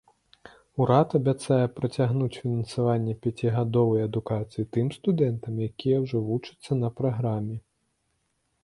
Урад абяцае працягнуць фінансаванне пяцігадовай адукацыі тым студэнтам, якія ўжо вучацца на праграме.